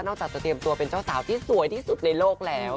จากจะเตรียมตัวเป็นเจ้าสาวที่สวยที่สุดในโลกแล้ว